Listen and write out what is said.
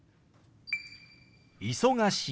「忙しい」。